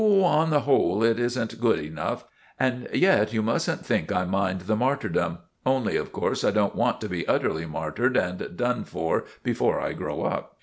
On the whole it isn't good enough. And yet you mustn't think I mind the martyrdom. Only of course I don't want to be utterly martyred and done for before I grow up."